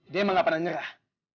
dia emang gak pernah nyerah